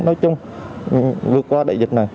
nói chung vượt qua đại dịch này